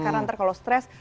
karena nanti kalau stress